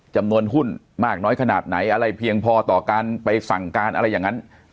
จำนวนหุ้นมากน้อยขนาดไหนอะไรเพียงพอต่อการไปสั่งการอะไรอย่างนั้น